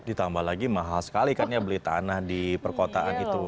ditambah lagi mahal sekali kan ya beli tanah di perkotaan itu